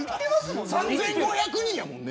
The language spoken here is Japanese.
３５００人だもんね。